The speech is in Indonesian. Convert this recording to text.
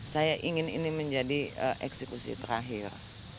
saya ingin ini menjadi eksekusi terakhir